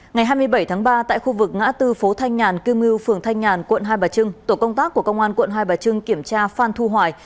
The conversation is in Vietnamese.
ngày hai mươi bảy tháng ba tại khu vực ngã tư phố thanh nhàn cư mưu phường thanh nhàn quận hai bà trưng tổ công tác của công an quận hai bà trưng kiểm tra phan thu hoài